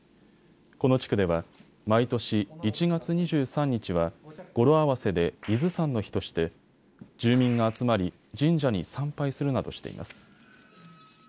この地区では毎年、１月２３日は語呂合わせで伊豆山の日として住民が集まり、神社に参拝するなどしています。